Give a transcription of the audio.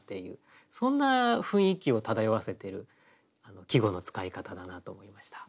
そんな雰囲気を漂わせている季語の使い方だなと思いました。